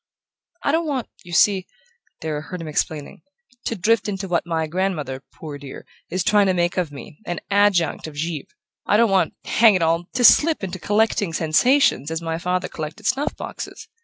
"I don't want, you see," Darrow heard him explaining, "to drift into what my grandmother, poor dear, is trying to make of me: an adjunct of Givre. I don't want hang it all! to slip into collecting sensations as my father collected snuff boxes.